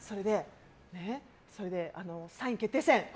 それで、３位決定戦。